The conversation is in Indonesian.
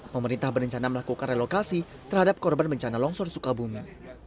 pemerintah berencana melakukan relokasi terhadap korban bencana longsor sukabumi